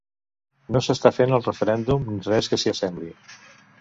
No s’està fent el referèndum ni res que s’hi assembli.